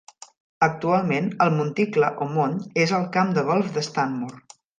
Actualment, el monticle, o mont, és el camp de golf de Stanmore.